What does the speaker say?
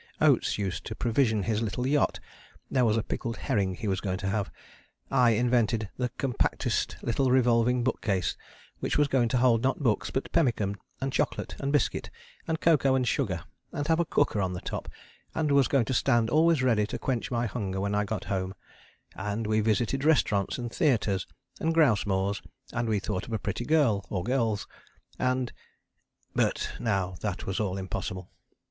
Oates used to provision his little yacht (there was a pickled herring he was going to have): I invented the compactest little revolving bookcase which was going to hold not books, but pemmican and chocolate and biscuit and cocoa and sugar, and have a cooker on the top, and was going to stand always ready to quench my hunger when I got home: and we visited restaurants and theatres and grouse moors, and we thought of a pretty girl, or girls, and.... But now that was all impossible.